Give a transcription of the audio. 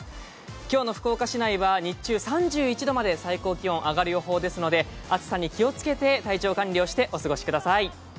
今日の福岡市内は日中３１度まで最高気温、上がる予定ですので暑さに気をつけて体調管理をしてお過ごしください。